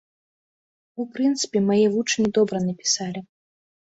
У прынцыпе, мае вучні добра напісалі.